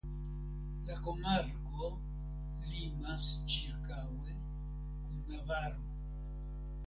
La komarko limas ĉirkaŭe kun Navaro.